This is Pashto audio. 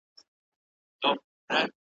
په افغانستان کي د مخدره توکو وده .